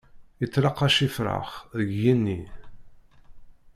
Ittlaqac ifrax, deg genni.